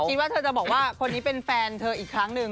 คิดว่าเธอจะบอกว่าคนนี้เป็นแฟนเธออีกครั้งหนึ่ง